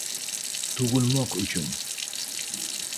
tugʼilmoq uchun